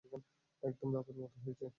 একদম বাপের মত হয়েছে।